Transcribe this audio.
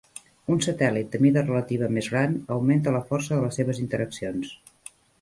Un satèl·lit de mida relativa més gran augmenta la força de les seves interaccions.